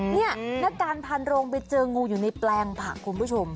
นี่นักการพันโรงไปเจองูอยู่ในแปลงผักคุณผู้ชม